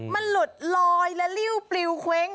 มันหลุดลอยและริ้วปลิวเคว้ง